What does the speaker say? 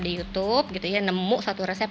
di youtube nemu satu resep